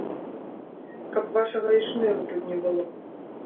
Каб вашага і шныру тут не было.